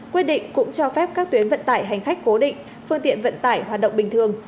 quyết định cũng cho phép các tuyến vận tải hành khách cố định phương tiện vận tải hoạt động bình thường